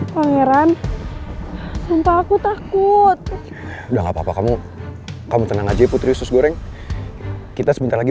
pangeran tanpa aku takut udah gak apa apa kamu kamu tenang aja putri susu goreng kita sebentar lagi